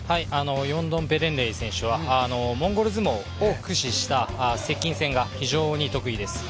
ヨンドンペレンレイ選手はモンゴル相撲を駆使した接近性が非常に得意です。